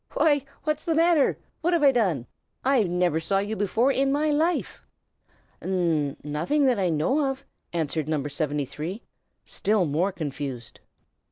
"Why, what's the matter? What have I done? I never saw you before in my life." "N nothing that I know of," answered No. 73, still more confused.